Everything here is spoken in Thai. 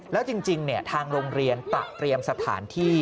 แล้วจริงทางโรงเรียนตะเตรียมสถานที่